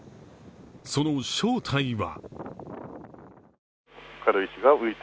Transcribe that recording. その正体は？